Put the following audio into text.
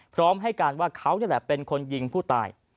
พร้อมให้การว่าเขานี่แหละเป็นคนยิงผู้ตาย